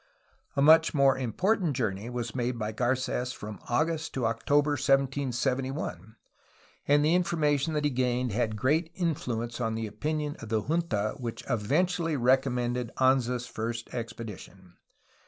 A much more important journey was made by Garc^s from August to October 1771, and the information that he gained had a great influence on the opinion of the junta which eventually recommended Anza^s first expedition.